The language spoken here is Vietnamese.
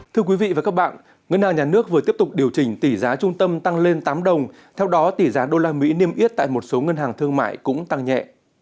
thưa quý vị và các bạn ngân hàng nhà nước vừa tiếp tục điều chỉnh tỷ giá trung tâm tăng lên tám đồng theo đó tỷ giá đô la mỹ niêm yết tại một số ngân hàng thương mại cũng tăng nhẹ